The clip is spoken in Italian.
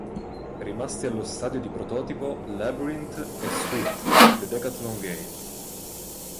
Rimasti allo stadio di prototipo: "Labyrinth" e "Sweat: The Decathlon Game".